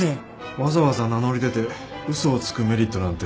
わざわざ名乗り出て嘘をつくメリットなんて。